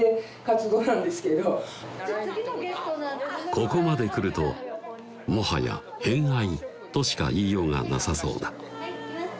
ここまで来るともはや偏愛としか言いようがなさそうだいきます